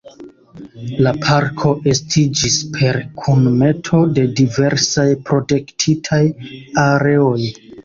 La parko estiĝis per kunmeto de diversaj protektitaj areoj.